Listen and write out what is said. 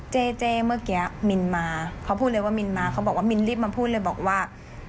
เจเจเมื่อกี้มินมาเขาพูดเลยว่ามินมาเขาบอกว่ามินรีบมาพูดเลยบอกว่า